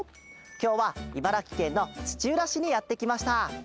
きょうはいばらきけんのつちうらしにやってきました。